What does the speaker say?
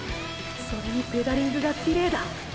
それにペダリングがきれいだ。